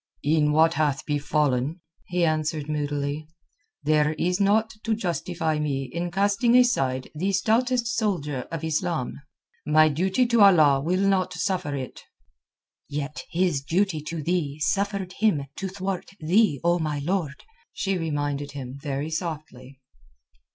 "In what hath befallen," he answered moodily, "there is naught to justify me in casting aside the stoutest soldier of Islam. My duty to Allah will not suffer it." "Yet his duty to thee suffered him to thwart thee, O my lord," she reminded him very softly.